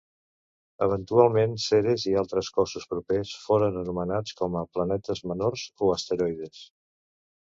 Eventualment Ceres i altres cossos propers foren anomenats com a planetes menors o asteroides.